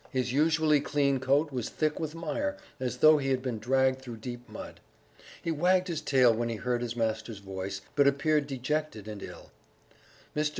His usually clean coat was thick with mire, as though he had been dragged through deep mud. He wagged his tail when he heard his master's voice, but appeared dejected and ill. Mr.